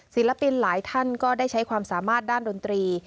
ศิลปินหลายท่านก็ได้ใช้ความสามารถด้านดนตรี